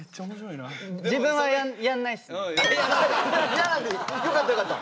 やらんでいいよかったよかった。